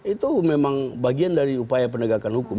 itu memang bagian dari upaya penegakan hukum